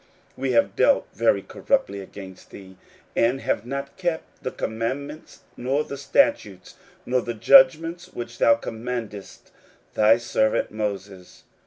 16:001:007 We have dealt very corruptly against thee, and have not kept the commandments, nor the statutes, nor the judgments, which thou commandedst thy servant Moses.